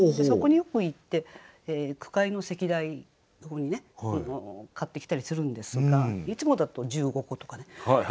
そこによく行って句会の席題用にね買ってきたりするんですがいつもだと１５個とかね。